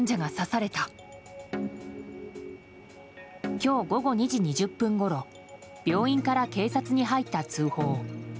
今日午後２時２０分ごろ病院から警察に入った通報。